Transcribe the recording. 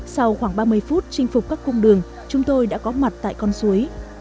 sau khoảng ba mươi phút chinh phục các cung đường chúng tôi đã có mặt tại con suối